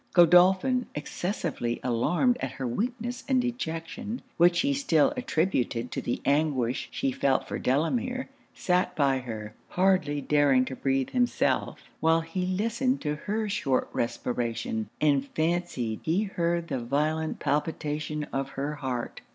Godolphin, excessively alarmed at her weakness and dejection, which he still attributed to the anguish she felt for Delamere, sat by her, hardly daring to breathe himself, while he listened to her short respiration, and fancied he heard the violent palpitation of her heart.